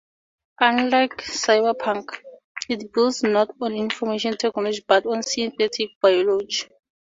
Unlike cyberpunk, it builds not on information technology, but on synthetic biology.